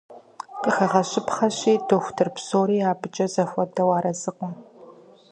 Къыхэгъэщыпхъэщи, дохутыр псори абыкӀэ зэхуэдэу арэзыкъым.